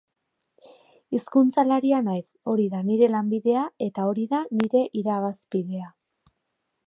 Hizkuntzalaria naiz, hori da nire lanbidea eta hori da nire irabazpidea.